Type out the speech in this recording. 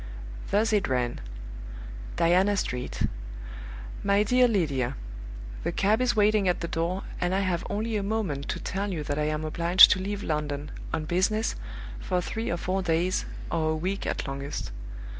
Thus it ran: "Diana Street. "MY DEAR LYDIA The cab is waiting at the door, and I have only a moment to tell you that I am obliged to leave London, on business, for three or four days, or a week at longest.